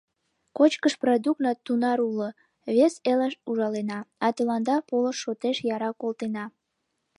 Кочкыш продукт на тунар уло — вес элыш ужалена, а тыланда полыш шотеш яра колтена...